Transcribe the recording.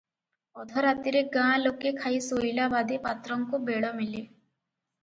ଅଧ ରାତିରେ ଗାଁ ଲୋକେ ଖାଇ ଶୋଇଲା ବାଦେ ପାତ୍ରଙ୍କୁ ବେଳ ମିଳେ ।